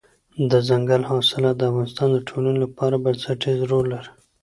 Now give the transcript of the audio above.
دځنګل حاصلات د افغانستان د ټولنې لپاره بنسټيز رول لري.